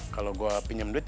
kalau gue pinjam duit